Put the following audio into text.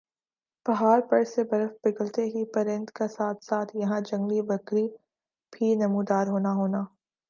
پہاڑ پر سے برف پگھلتے ہی پرند کا ساتھ ساتھ یَہاں جنگلی بکری بھی نمودار ہونا ہونا